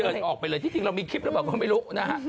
เดินออกไปเลยที่จริงเรามีคลิปแล้วบอกว่าไม่รู้นะฮะ